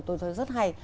tôi thấy rất hay